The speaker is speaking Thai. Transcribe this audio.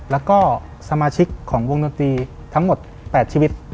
แล้วก็สมาชิกของวงดนตรีทั้งหมด๘ชีวิต